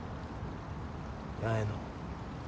八重の。